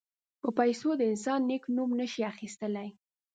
په پیسو د انسان نېک نوم نه شي اخیستلای.